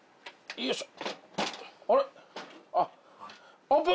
よいしょ。